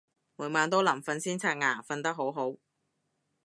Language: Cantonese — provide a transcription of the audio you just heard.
每晚都臨瞓先刷牙，瞓得好好